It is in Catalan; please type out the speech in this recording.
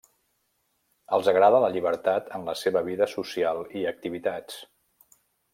Els agrada la llibertat en la seva vida social i activitats.